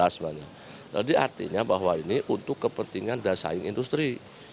jadi artinya bahwa ini untuk kepentingan dan saing industri